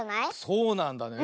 そうなんだね。